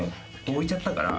置いちゃったから。